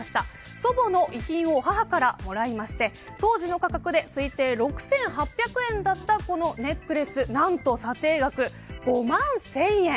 祖母の遺品を母からもらいまして当時の価格で、推定６８００円だったこのネックレス何と査定額、５万１０００円。